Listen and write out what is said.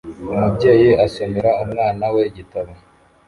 Umubyeyi asomera umwana we igitabo